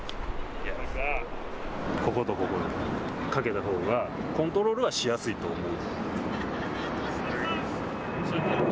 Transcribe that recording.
こことここをかけたほうがコントロールはしやすいと思う。